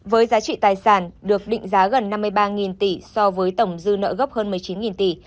với giá trị tài sản được định giá gần năm mươi ba tỷ so với tổng dư nợ gốc hơn một mươi chín tỷ